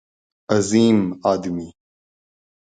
عظیم آدمی